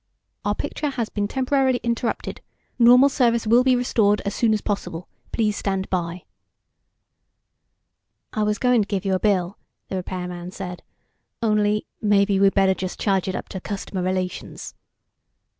OUR PICTURE HAS BEEN TEMPORARILY INTERRUPTED. NORMAL SERVICE WILL BE RESTORED AS SOON AS POSSIBLE. PLEASE STAND BY. "I was going to give you a bill," the repairman said. "Only maybe we better just charge it up to customer relations."